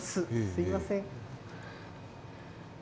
すみません。